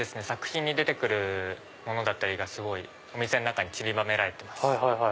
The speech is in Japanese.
作品に出て来るものだったりがお店の中にちりばめられてます。